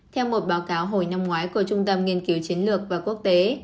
theo một báo cáo hồi năm ngoái của trung tâm nghiên cứu chiến lược và quốc tế